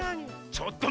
ちょっと！